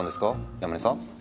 山根さん？